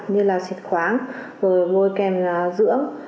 như là xịt khoáng vôi kèm dưỡng